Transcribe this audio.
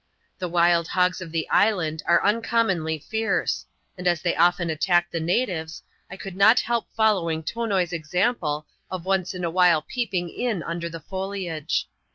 The wild hogs of the island are uncommonly fierce ; and as they often attack the natives, I could not help following Tonoi's example of once in a while peeping in under the foliage.